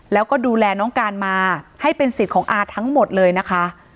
แล้วก็ดูแลน้องการมาให้เป็นสิทธิ์ของอาทั้งหมดเลยนะคะ